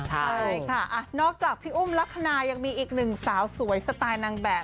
ใช่ค่ะนอกจากพี่อุ้มลักษณะยังมีอีกหนึ่งสาวสวยสไตล์นางแบบ